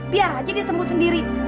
biar aja dia sembuh sendiri